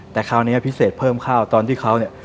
แต่คราวนี้พิเศษเพิ่มเข้าตอนที่เขากำลังลุ้ง